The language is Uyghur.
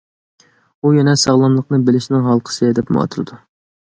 ئۇ يەنە ساغلاملىقنى بىلىشنىڭ ھالقىسى دەپمۇ ئاتىلىدۇ.